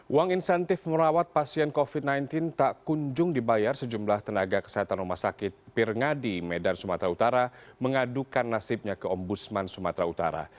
uang insentif merawat pasien covid sembilan belas tak kunjung dibayar sejumlah tenaga kesehatan rumah sakit pirngadi medan sumatera utara mengadukan nasibnya ke ombudsman sumatera utara